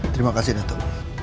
terima kasih neto